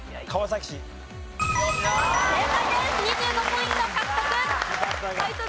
２５ポイント獲得。